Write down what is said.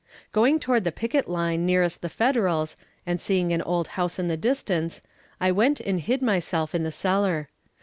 Going toward the picket line nearest the Federals, and seeing an old house in the distance, I went and hid myself in the cellar.